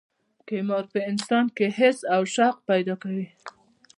قمار په انسان کې حرص او شوق پیدا کوي.